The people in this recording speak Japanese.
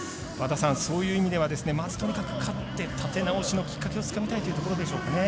そういう意味ではとにかく勝って立て直しのきっかけをつかみたいところでしょうかね。